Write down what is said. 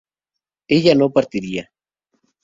ella no partiría